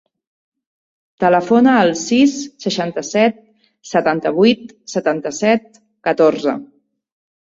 Telefona al sis, seixanta-set, setanta-vuit, setanta-set, catorze.